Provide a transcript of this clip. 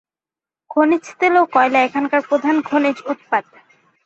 খনিজ তেল ও কয়লা এখানকার প্রধান খনিজ উৎপাদ।